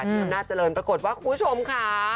เดี๋ยวหน้าเจริญปรากฏว่าคุณผู้ชมค่ะ